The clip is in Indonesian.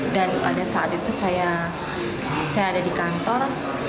dan pada saat itu saya ada di kantor